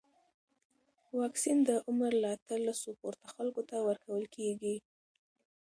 واکسن د عمر له اتلسو پورته خلکو ته ورکول کېږي.